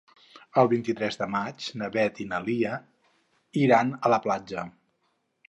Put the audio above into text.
El vint-i-tres de maig na Beth i na Lia iran a la platja.